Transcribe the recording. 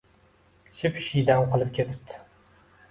Ship-shiydam qilib ketibdi.